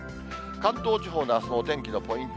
関東地方のあすのお天気のポイント。